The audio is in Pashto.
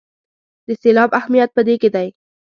د سېلاب اهمیت په دې کې دی.